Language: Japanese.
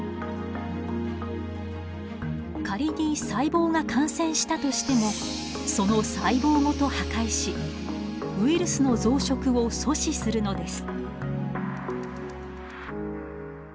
仮に細胞が感染したとしてもその細胞ごと破壊しウイルスの増殖を阻止するのです。